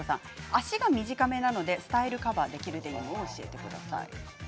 足が短めなのでスタイルカバーができるものを教えてください。